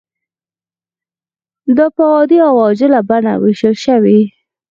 دا په عادي او عاجله بڼه ویشل شوې.